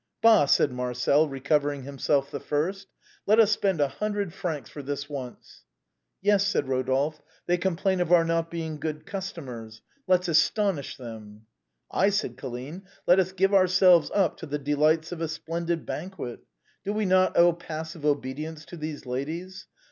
" Bah !" said Marcel, recovering himself the first ;" let us spend a hundred thousand francs for this once !"" Yes," said Rodolphe ;" they complain of our not being good customers. Let's astonish them !"" Ay," said Colline, " let us give ourselves up to the de lights of a splendid banquet! Do we not owe passive obedience to these ladies